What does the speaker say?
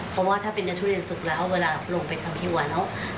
เพราะว่าถ้าเป็นเนื้อทุเรียนสุขแล้วเวลาลงไปทำที่หวานแล้วจะเลี้ยงค่ะ